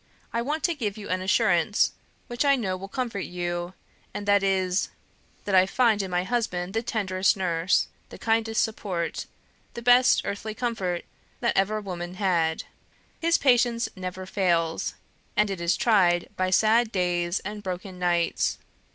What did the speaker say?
I want to give you an assurance, which I know will comfort you and that is, that I find in my husband the tenderest nurse, the kindest support, the best earthly comfort that ever woman had. His patience never fails, and it is tried by sad days and broken nights.